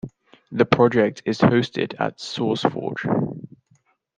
The project is hosted at Sourceforge.